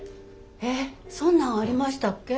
えっそんなんありましたっけ？